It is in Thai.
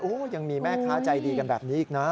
ยังมีแม่ค้าใจดีกันแบบนี้อีกนะ